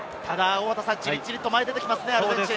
じりじりと前に出てきますね、アルゼンチン。